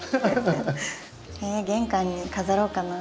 玄関に飾ろうかな。